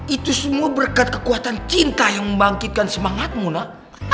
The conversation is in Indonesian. itu semua berkat kekuatan cinta yang membangkitkan semangatmu nak